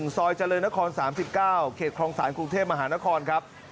ซอยเจริญนคร๓๙เขตคลองศาลกรุงเทพมหานครครับ